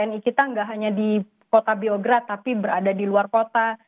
karena disini kan tersebar wni kita gak hanya di kota biograd tapi berada di luar kota